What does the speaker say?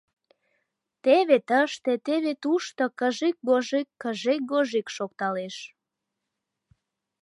Теве тыште, теве тушто кыжик-гожик, кыжик-гожик шокталеш.